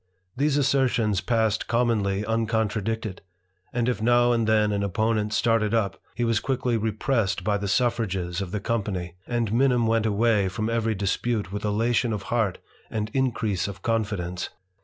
These assertions passed commonly uncontradicted ; and if now and then an opponent started up, he was quickly repressed by the suffrages of the company, and Minim went away from every dispute with elation of heart and increase of confidence.